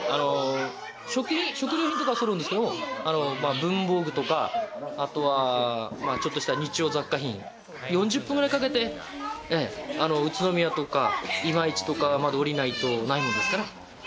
食料品とかはそろうんですけれど、文房具とかあとはちょっとした日用雑貨品、４０分かけて宇都宮とか今市まで下りないとないものですから。